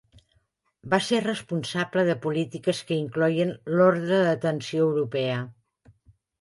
Va ser responsable de polítiques que incloïen l'Ordre de Detenció Europea.